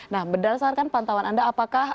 nah berdasarkan pantauan anda apa yang anda lihat